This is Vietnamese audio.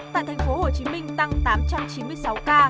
tại tp hcm tăng tám trăm chín mươi sáu ca